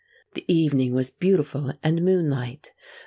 The evening was beautiful and moonlight.